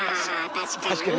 確かにね